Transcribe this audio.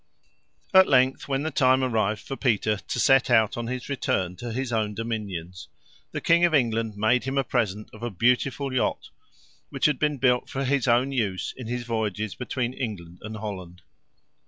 At length, when the time arrived for Peter to set out on his return to his own dominions, the King of England made him a present of a beautiful yacht, which had been built for his own use in his voyages between England and Holland.